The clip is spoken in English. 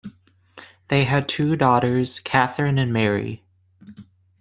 They had two daughters, Katherine and Mary.